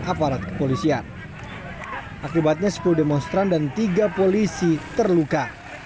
aparat kepolisian akibatnya sepuluh demonstran dan tiga polisi terluka